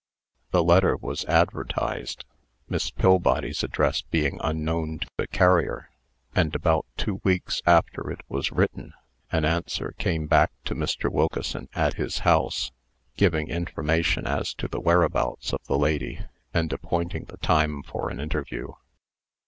The letter was advertised (Miss Pillbody's address being unknown to the carrier), and, about two weeks after it was written, an answer came back to Mr. Wilkeson, at his house, giving information as to the whereabouts of the lady, and appointing the time for an interview.